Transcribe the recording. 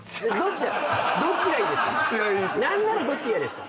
なんならどっちがいいですか？